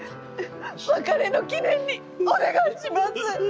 別れの記念にお願いします！